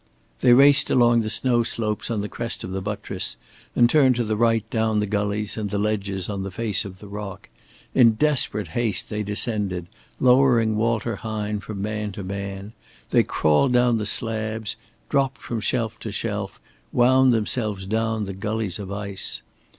They raced along the snow slopes on the crest of the buttress and turned to the right down the gullies and the ledges on the face of the rock. In desperate haste they descended lowering Walter Hine from man to man, they crawled down the slabs, dropped from shelf to shelf, wound themselves down the gullies of ice.